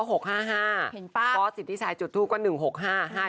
เห็นปะฟอสศิษย์ที่ใช้จุดทูกว่า๑๖๕